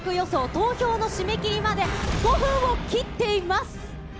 投票の締め切りまで５分を切っています。